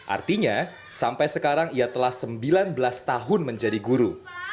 artinya sampai sekarang ia telah sembilan belas tahun menjadi guru